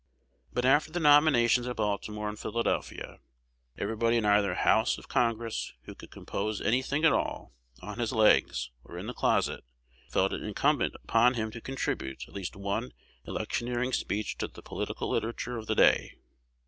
But, after the nominations at Baltimore and Philadelphia, everybody in either House of Congress who could compose any thing at all "on his legs," or in the closet, felt it incumbent upon him to contribute at least one electioneering speech to the political literature of the day.